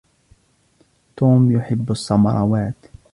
توم يحب السمراوات.